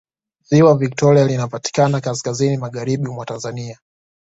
Ziwa Viktoria linapatikanankaskazini Magharibi mwa Tanzania